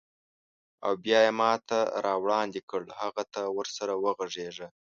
او بیا یې ماته راوړاندې کړ: هه، ته ورسره وغږیږه.